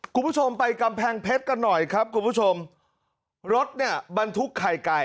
คุณผู้ชมไปกำแพงเพชรกันหน่อยครับคุณผู้ชมรถเนี่ยบรรทุกไข่ไก่